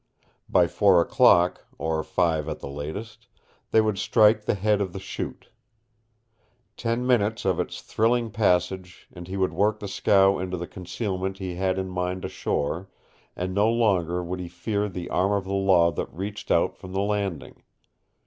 By four o'clock, or five at the latest, they would strike the head of the Chute. Ten minutes of its thrilling passage and he would work the scow into the concealment he had in mind ashore, and no longer would he fear the arm of the law that reached out from the Landing.